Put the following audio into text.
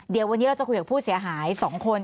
เดี๋ยววันนี้เราจะคุยกับผู้เสียหาย๒คน